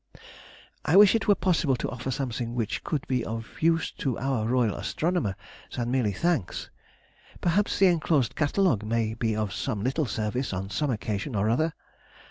I wish it were possible to offer something which could be of use to our Royal Astronomer than merely thanks. Perhaps the enclosed catalogue may be of some little service on some occasion or other.